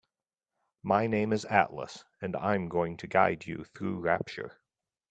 My name is Atlas and I'm going to guide you through Rapture.